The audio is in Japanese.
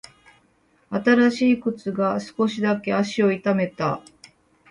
新しい靴が少しだけ足を痛めた。